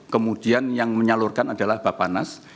kemudian yang menyalurkan adalah bapanas